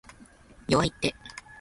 弱いって